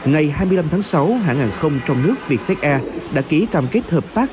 ngày hai mươi năm tháng sáu hãng hàng không trong nước vietjet air đã ký cam kết hợp tác